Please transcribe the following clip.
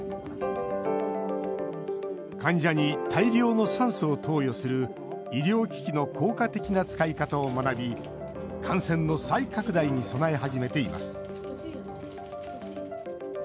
患者に大量の酸素を投与する医療機器の効果的な使い方を学び感染の再拡大に備え始めています